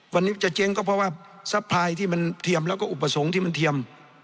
วันนี้จะเจ๊งก็เพราะว่าซัพพลายที่มันเทียมแล้วก็อุปสรรคที่มันเทียม